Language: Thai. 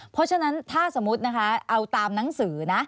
เพราะฉะนั้นถ้าสมมุตินะคะเอาตามหนังสือนะ